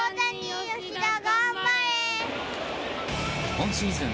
今シーズン